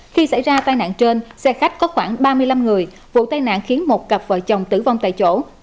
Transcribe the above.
khi xảy ra tai nạn trên xe khách có khoảng ba mươi năm người vụ tai nạn khiến một cặp vợ chồng tử vong tại chỗ